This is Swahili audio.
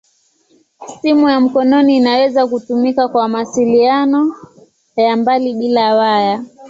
Simu ya mkononi inaweza kutumika kwa mawasiliano ya mbali bila waya.